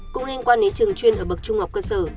cũng liên quan đến trường chuyên ở bậc trung học cơ sở